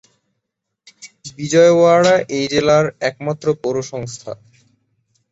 বিজয়ওয়াড়া এই জেলার একমাত্র পৌরসংস্থা।